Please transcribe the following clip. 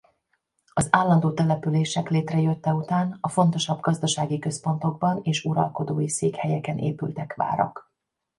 Az állandó települések létrejötte után a fontosabb gazdasági központokban és uralkodói székhelyeken épültek várak.